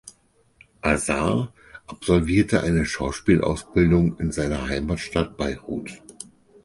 Azar absolvierte eine Schauspielausbildung in seiner Heimatstadt Beirut.